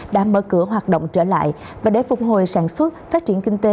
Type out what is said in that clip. đã mở cửa hoạt động trở lại và để phục hồi sản xuất phát triển kinh tế